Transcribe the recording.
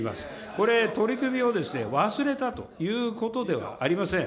これ、取り組みを忘れたということではありません。